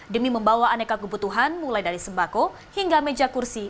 demi membawa aneka kebutuhan mulai dari sembako hingga meja kursi